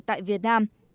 tại việt nam